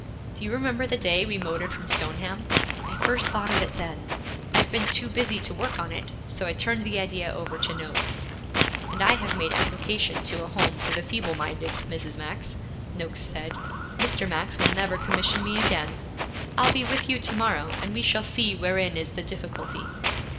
'Do you remember the day we motored from Stoneham? I first thought of it then. I have been too busy to work on it, so I turned the idea over to Noakes.' 'And I have made application to a home for the feeble minded, Mrs. Max,' Noakes said. 'Mr. Max will never commission me again.' 'I'll be with you to morrow, and we shall see wherein is the difficulty.'